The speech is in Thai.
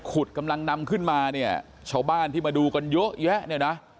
กำลังนำขึ้นมาเนี่ยชาวบ้านที่มาดูกันเยอะแยะเนี่ยนะ